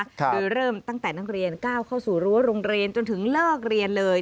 โดยเริ่มตั้งแต่นักเรียนก้าวเข้าสู่รั้วโรงเรียนจนถึงเลิกเรียนเลย